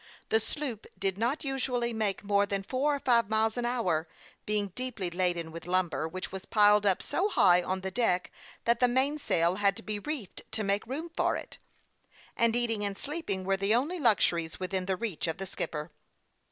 The sloop did not usually make more than four or five miles an hour, being deeply laden with lumber, which was piled up so high on the deck that the mainsail had to be reefed, to make room for it ; and eating and sleeping were the only luxuries within the reach of the skipper.